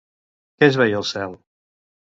Què es veia al cel?